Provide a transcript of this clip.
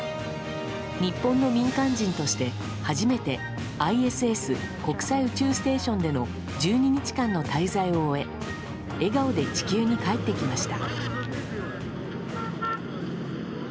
日本の民間人として初めてＩＳＳ・国際宇宙ステーションでの１２日間の滞在を終え笑顔で地球に帰ってきました。